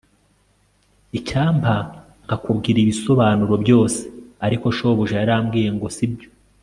s] icyampa nkakubwira ibisobanuro byose, ariko shobuja yarambwiye ngo sibyo